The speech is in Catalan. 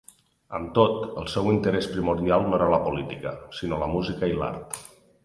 Amb tot, el seu interès primordial no era la política, sinó la música i l'art.